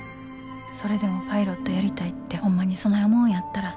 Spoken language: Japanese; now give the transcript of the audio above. それでもパイロットやりたいってホンマにそない思うんやったら。